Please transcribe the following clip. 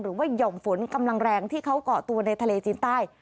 หย่อมฝนกำลังแรงที่เขาก่อตัวในทะเลจีนใต้